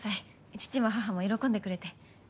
父も母も喜んでくれて。